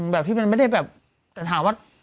แบบที่มันไม่ได้แบบแต่ถามว่า